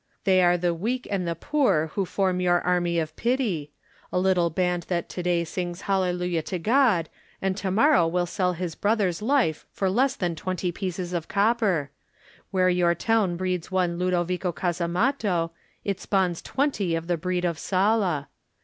They are the weak and the poor who form your Army of Pity — a little band that to day sings hallelujah to God, and to morrow will sell his brother's life for less than twenty pieces of copper. Where your town breeds one Ludovico Casamatto it spawns twenty of the breed of Sala.